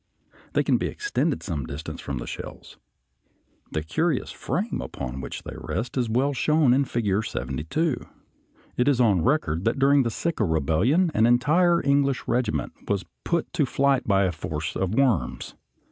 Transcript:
They can be extended some distance from the shells. The curious frame upon which they rest is well shown in Figure 72. It is on record that during the Sikh rebellion an entire English regiment was put to flight by a force of worms.